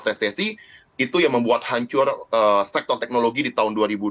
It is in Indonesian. resesi itu yang membuat hancur sektor teknologi di tahun dua ribu dua puluh